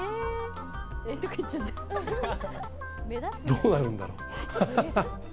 どうなるんだろう。